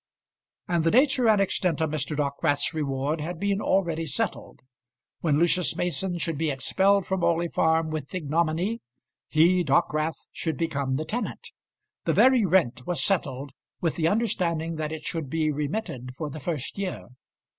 And the nature and extent of Mr. Dockwrath's reward had been already settled. When Lucius Mason should be expelled from Orley Farm with ignominy, he, Dockwrath, should become the tenant. The very rent was settled with the understanding that it should be remitted for the first year.